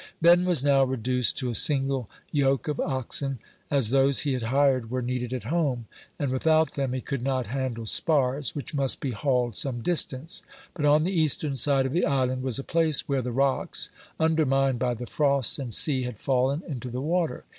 Ben was now reduced to a single yoke of oxen, as those he had hired were needed at home, and without them he could not handle spars, which must be hauled some distance; but on the eastern side of the island was a place where the rocks, undermined by the frosts and sea, had fallen into the water.